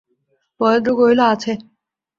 মহেন্দ্র কহিল, আছে।